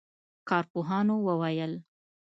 کارپوهانو وویل